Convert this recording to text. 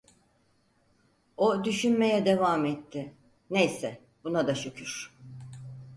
O düşünmeye devam etti: "Neyse, buna da şükür…"